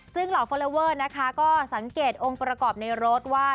ซึ่งเหล่าฟอลลอเวอร์นะคะก็สังเกตองค์ประกอบในรถว่า